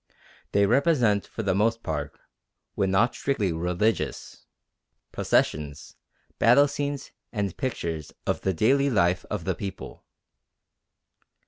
They represent, for the most part, when not strictly religious, processions, battle scenes, and pictures of the daily life of the people.